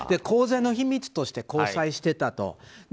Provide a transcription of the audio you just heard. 公然の秘密として交際してたと。